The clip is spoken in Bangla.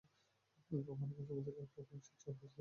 কোম্পানীগঞ্জ উপজেলার পূর্বাংশে চর হাজারী ইউনিয়নের অবস্থান।